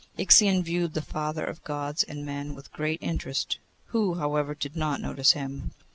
Ixion viewed the Father of Gods and men with great interest, who, however, did not notice him.